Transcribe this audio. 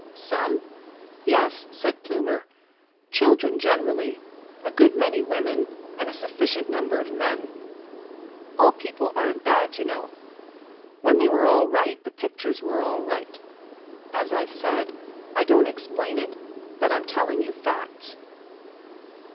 "Some? Yes," said Plumer. "Children generally, a good many women and a sufficient number of men. All people aren't bad, you know. When they were all right the pictures were all right. As I said, I don't explain it, but I'm telling you facts."